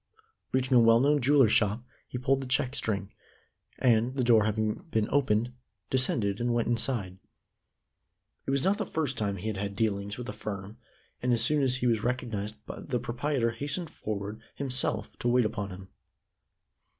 Reaching a well known jeweler's shop, he pulled the check string, and, the door having been opened, descended, and went inside. It was not the first time he had had dealings with the firm, and as soon as he was recognized the proprietor hastened forward himself to wait upon him.